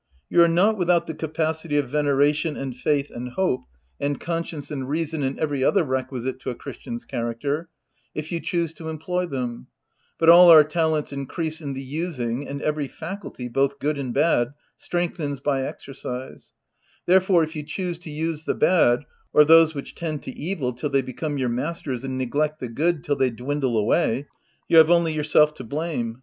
You are not without the capacity of veneration, and faith and hope, and con OF WILDFELL HALL. 7^ science and reason, and every other requisite to a christian's character, if you choose to em ploy them ; but all our talents increase in the using, and every faculty, both good and bad, strengthens by exercise; therefore, if you choose to use the bad— or those which tend to evil till they become your masters and neglect the good till they dwindle away, you have only yourself to blame.